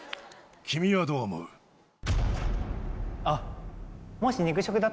あっ。